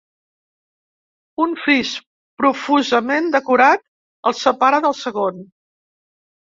Un fris, profusament decorat, el separa del segon.